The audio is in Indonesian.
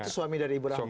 suami dari ibu rahma